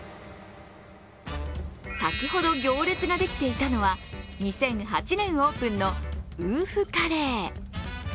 先ほど行列ができていたのは２００８年オープンのｗｏｏｆｃｕｒｒｙ。